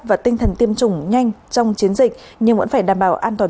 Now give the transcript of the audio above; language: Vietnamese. và tinh thần tiêm chủng nhanh trong chiến dịch nhưng vẫn phải đảm bảo an toàn